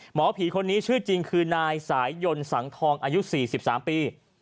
หมอผีคนนี้ชื่อจริงคือนายสายยนต์สังทองอายุ๔๓ปี